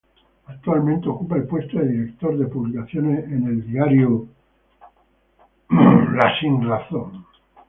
Actualmente ocupa el puesto de director de publicaciones en el diario La Razón.